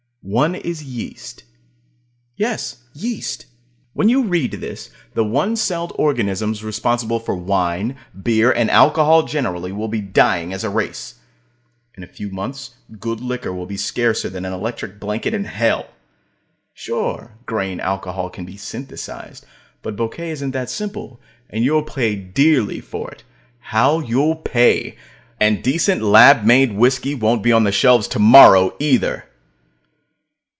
One is yeast. Yes, yeast. When you read this, the one celled organisms responsible for wine, beer, and alcohol generally, will be dying as a race. In a few months, good liquor will be scarcer than an electric blanket in hell. Sure, grain alcohol can be synthesized, but bouquet isn't that simple, and you'll pay dearly for it how you'll pay! and decent lab made whiskey won't be on the shelves tomorrow, either.